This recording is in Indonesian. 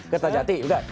getar jati juga